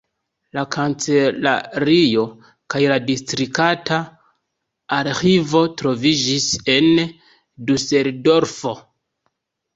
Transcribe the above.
La kancelario kaj la distrikta arĥivo troviĝis en Duseldorfo.